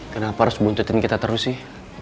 kenapa harus buntutin kita terus sih